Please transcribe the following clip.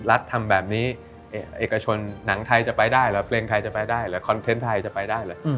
ทำแบบนี้เอกชนหนังไทยจะไปได้เหรอเพลงไทยจะไปได้เหรอคอนเทนต์ไทยจะไปได้เลย